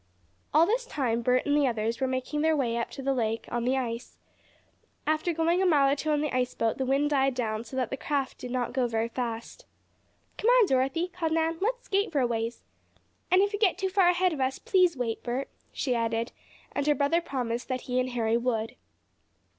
All this time Bert and the others were making their way up the lake on the ice. After going a mile or two on the ice boat the wind died down so that the craft did not go very fast. "Come on, Dorothy," called Nan, "let's skate for a ways. And if you get too far ahead of us, please wait, Bert," she added, and her brother promised that he and Harry would.